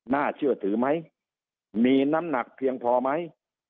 น่าเชื่อถือไหมมีน้ำหนักเพียงพอไหม